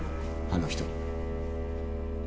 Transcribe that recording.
あの人に。